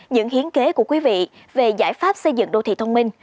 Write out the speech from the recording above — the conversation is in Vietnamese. những hiến kế của quý vị về giải pháp xây dựng đô thị thông minh